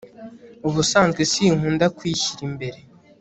ubusanzwe sinkunda kwishyira imbere